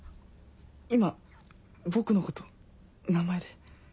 今僕のこと名前で。